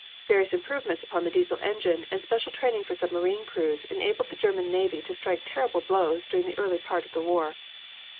Various improvements upon the Diesel engine and special training for submarine crews enabled the German navy to strike terrible blows during the early part of the war.